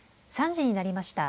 ３時になりました。